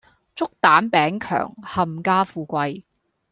祝蛋餅强冚家富貴